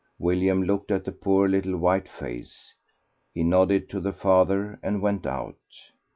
William looked at the poor little white face; he nodded to the father and went out.